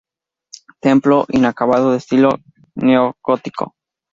Templo inacabado de estilo neogótico.